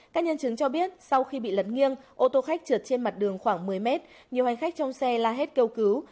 các nhân chứng cho biết sau khi bị lật nghiêng ô tô khách trượt trên mặt đường khoảng một mươi mét nhiều hành khách trong xe la hét kêu cứu